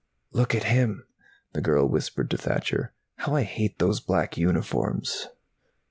"Look at him," the girl whispered to Thacher. "How I hate those black uniforms!"